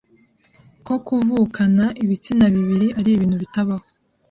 ko kuvukana ibitsina bibiri ari ibintu bitabaho